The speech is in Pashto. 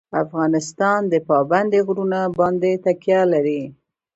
افغانستان په پابندی غرونه باندې تکیه لري.